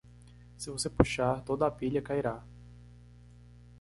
Se você puxar, toda a pilha cairá.